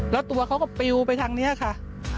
แล้วตัวเขาก็ปิวไปทางนี้ค่ะ